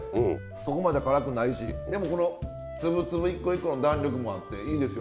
そこまで辛くないしでもこの粒々一個一個の弾力もあっていいですよね。